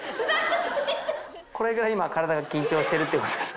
これぐらい今体が緊張してるってことです。